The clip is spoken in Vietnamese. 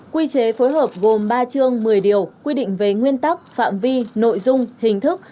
quy chế phối hợp gồm ba chương một mươi điều quy định về nguyên tắc phạm vi nội dung hình thức